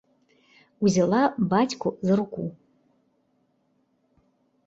Узяла бацьку за руку.